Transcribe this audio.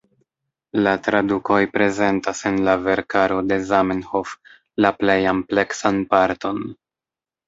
La tradukoj prezentas en la verkaro de Zamenhof la plej ampleksan parton.